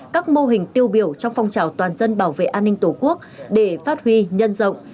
các mô hình tiêu biểu trong phong trào toàn dân bảo vệ an ninh tổ quốc để phát huy nhân rộng